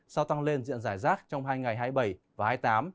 sau tăng lên diện giải rác trong hai ngày hai mươi bảy và hai mươi tám